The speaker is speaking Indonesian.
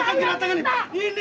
kami bertanya ke jatah ini